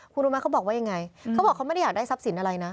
คุณรู้ไหมเขาบอกว่ายังไงเขาบอกเขาไม่ได้อยากได้ทรัพย์สินอะไรนะ